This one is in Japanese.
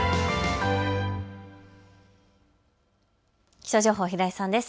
気象情報、平井さんです。